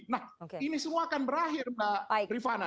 nah ini semua akan berakhir mbak rifana